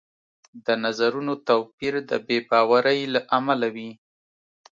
د نظرونو توپیر د بې باورۍ له امله وي